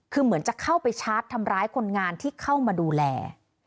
คือเหมือนจะเข้าไปชาร์จทำร้ายคนงานที่เข้ามาดูแล